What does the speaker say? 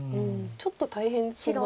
ちょっと大変そうな。